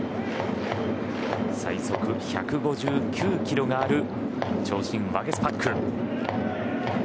最速１５９キロがある長身ワゲスパック。